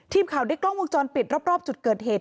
ทีมข่าวได้กล้องวงจรปิดรอบจุดเกิดเหตุ